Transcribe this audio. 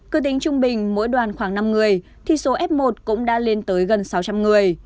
cứ tính trung bình mỗi đoàn khoảng năm người thì số f một cũng đã lên tới gần sáu trăm linh người